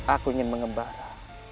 aku ingin mengembara